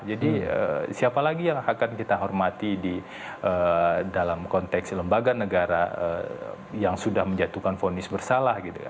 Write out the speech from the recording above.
jadi siapa lagi yang akan kita hormati dalam konteks lembaga negara yang sudah menjatuhkan fonis bersalah